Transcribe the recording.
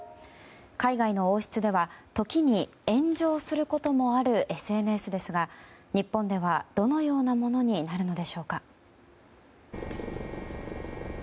海外の王室では時に炎上することもあるＳＮＳですが日本では、どのようなものになるのでしょうか。